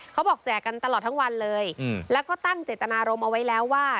แจกกันตลอดทั้งวันเลยแล้วก็ตั้งเจตนารมณ์เอาไว้แล้วว่า